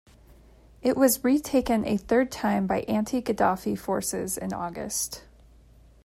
It was retaken a third time by anti-Gaddafi forces in August.